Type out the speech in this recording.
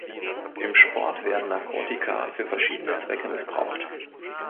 Im Sport werden Narkotika für verschiedene Zwecke missbraucht.